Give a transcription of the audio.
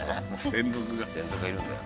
専属が専属がいるんだよ